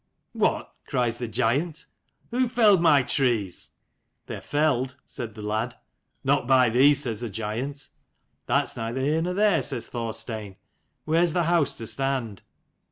"What!" cries the giant, "who felled my trees?" " They are felled," says the lad. "Not by thee," says the giant. "That's neither" here nor there," says Thor stein : "where is the house to stand?"